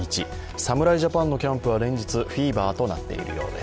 侍ジャパンのキャンプは連日フィーバーとなっているようです。